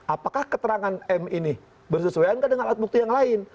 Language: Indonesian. apakah keterangan m ini bersesuaian nggak dengan alat bukti yang lain